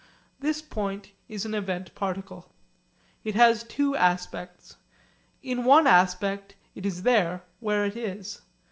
This point is an event particle. It has two aspects. In one aspect it is there, where it is.